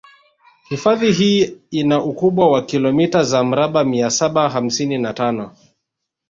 Hifadhi hii ina ukubwa wa kilomita za mraba mia saba hamsini na tano